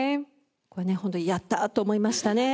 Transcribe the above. これね本当にやった！と思いましたね。